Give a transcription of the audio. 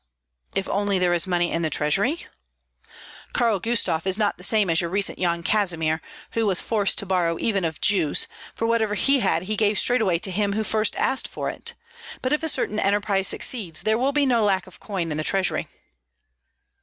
"If only there is money in the treasury?" "Karl Gustav is not the same as your recent Yan Kazimir, who was forced to borrow even of Jews, for whatever he had he gave straightway to him who first asked for it. But if a certain enterprise succeeds, there will be no lack of coin in the treasury."